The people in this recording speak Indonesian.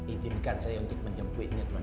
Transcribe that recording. ijinkan saya untuk menjemputnya tuan